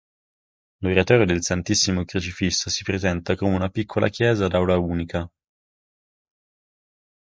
L'oratorio del Santissimo Crocifisso si presenta come una piccola chiesa ad aula unica.